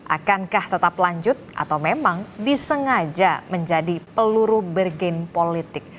akankah tetap lanjut atau memang disengaja menjadi peluru bergen politik